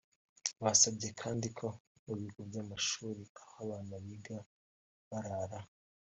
Basabye kandi ko mu bigo by’amashuri aho abana biga barara